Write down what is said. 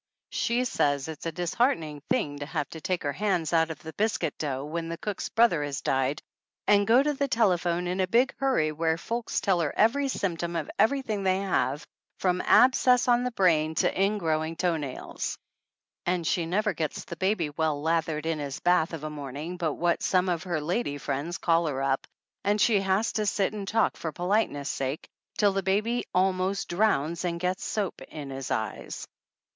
She says it is a disheartening thing to have to take her hands out of the biscuit dough when the cook's brother has died and go to the tele 30 THE ANNALS OF ANN phone in a big hurry where folks tell her every symptom of everything they have, from abscess on the brain to ingrowing toe nails. And she never gets the baby well lathered in his bath of a morning but what some of her lady friends call her up and she has to sit and talk for polite ness' sake till the baby almost drowns and gets soap in his eyes.